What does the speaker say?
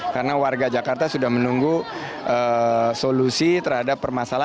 karena warga jakarta sudah menunggu solusi terhadap permasalahan